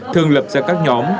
thường lập ra các nhóm